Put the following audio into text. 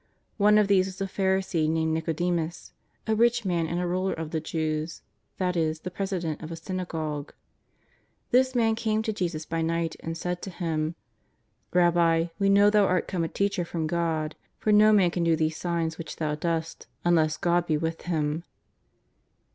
One of these was a Pharisee named Nicodemus, a rich man and a ruler of the Jews, that is the president of a s;)Tiagogue. This man came to Jesus by niglit and said to Him: ^' Pabbi, we know Thou art come a Teacher from God, for no man can do these signs which Thou dost unless God be with liim."